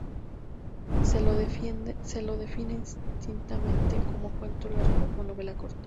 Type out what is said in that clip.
Se lo define indistintamente como cuento largo o novela corta.